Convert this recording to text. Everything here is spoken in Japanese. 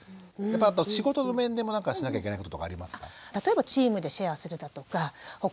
あと仕事の面でも何かしなきゃいけないこととかありますか？